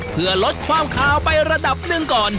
เพื่อลดความคาวไประดับหนึ่งก่อน